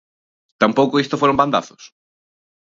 ¿Tampouco isto foron bandazos?